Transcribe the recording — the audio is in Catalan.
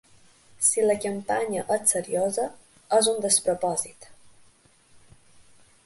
Si la campanya és seriosa, és un despropòsit.